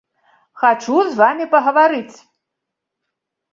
Хачу з вамі пагаварыць!